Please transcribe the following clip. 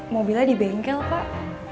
mobilnya di bengkel pak